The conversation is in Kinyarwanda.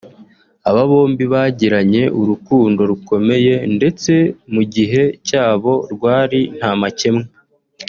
Aba bombi bagiranye urukundo rukomeye ndetse mu gihe cyabo rwari nta makemwa